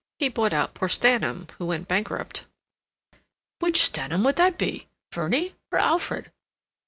He bought out poor Stanham, who went bankrupt." "Which Stanham would that be? Verney or Alfred?"